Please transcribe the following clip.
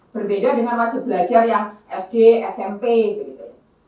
berbeda dengan wajib belajar yang sd smp begitu